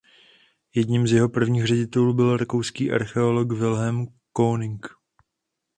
Jedním z jeho prvních ředitelů byl rakouský archeolog Wilhelm König.